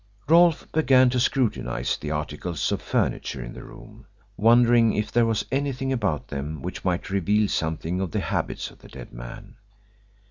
Rolfe began to scrutinise the articles of furniture in the room, wondering if there was anything about them which might reveal something of the habits of the dead man.